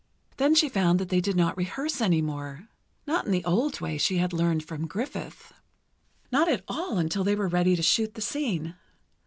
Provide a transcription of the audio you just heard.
Then she found that they did not rehearse any more—not in the old way she had learned from Griffith—not at all until they were ready to shoot the scene.